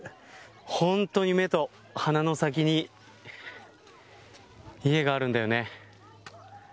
本当に目と鼻の先に家があるんだよね。